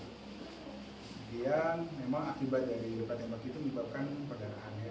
jadi ya memang akibat dari luka tembak itu menyebabkan pendarahan anema